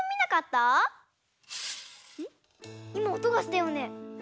いまおとがしたよね。